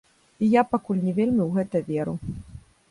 І я пакуль не вельмі ў гэта веру.